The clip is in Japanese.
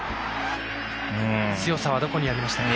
強さはどこにありましたか。